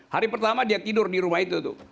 hari pertama dia tidur di rumah itu tuh